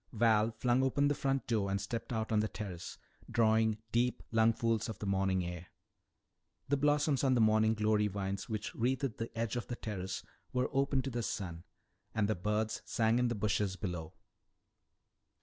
Val flung open the front door and stepped out on the terrace, drawing deep lungfuls of the morning air. The blossoms on the morning glory vines which wreathed the edge of the terrace were open to the sun, and the birds sang in the bushes below.